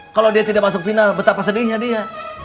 kalau dia tidak masuk final betapa sedihnya dia